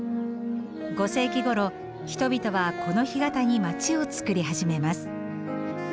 ５世紀ごろ人々はこの干潟に街をつくり始めます。